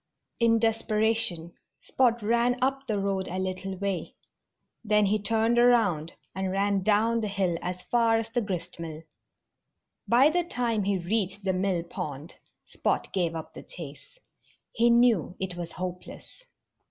In desperation Spot ran up the road a little way. Then he turned around and ran down the hill as far as the gristmill. By the time he reached the mill pond Spot gave up the chase. He knew it was hopeless.